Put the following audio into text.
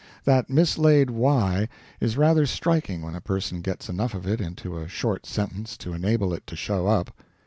That mislaid 'y' is rather striking when a person gets enough of it into a short sentence to enable it to show up.